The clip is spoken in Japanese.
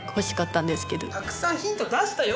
たくさんヒント出したよ